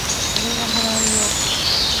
俺が払うよ。